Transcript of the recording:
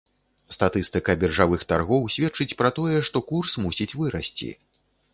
Статыстыка біржавых таргоў сведчыць пра тое, што курс мусіць вырасці.